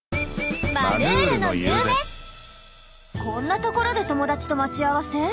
こんな所で友達と待ち合わせ？